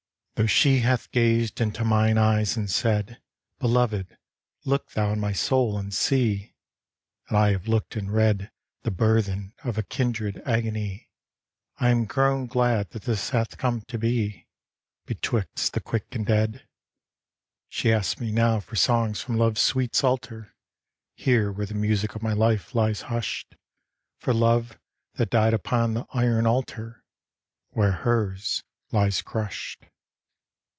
II Though she hath gazed into mine eyes and said, "Belovéd, look thou in my soul and see," And I have looked and read The burthen of a kindred agony, I am grown glad that this hath come to be Betwixt the quick and dead. She asks me now for songs from love's sweet psalter, Here where the music of my life lies hushed: For love, that died upon the iron altar Where hers lies crushed.